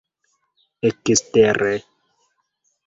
ekstere